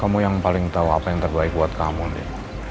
kamu yang paling tahu apa yang terbaik buat kamu nih